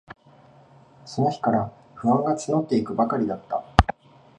その日から、不安がつのっていくばかりだった。